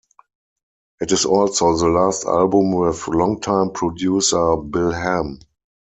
It is also the last album with longtime producer, Bill Ham.